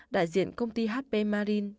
đại diện công ty hp marine